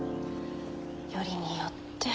よりによって。